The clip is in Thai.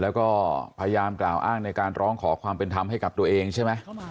แล้วก็พยายามกล่าวอ้างในการร้องขอความเป็นธรรมให้กับตัวเองใช่ไหม